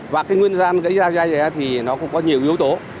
và nguyên nhân gãy ra dây thì nó cũng có nhiều yếu tố